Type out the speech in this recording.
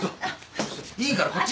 いいからこっち。